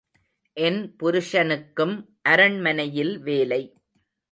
என் புருஷனுக்கும் அரண்மனையில் வேலை.